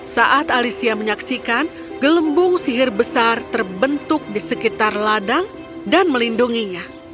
saat alicia menyaksikan gelembung sihir besar terbentuk di sekitar ladang dan melindunginya